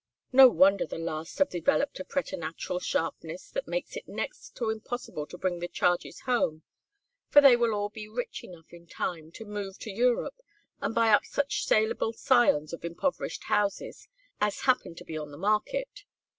No wonder the last have developed a preternatural sharpness that makes it next to impossible to bring the charges home, for they will all be rich enough in time to move to Europe and buy up such salable scions of improverished houses as happen to be on the market.